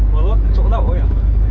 mua lốt đến chỗ đâu rồi ạ